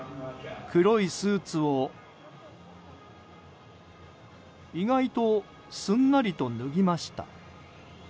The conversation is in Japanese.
黒いスーツを意外とすんなりと脱ぎました。